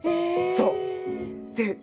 そう！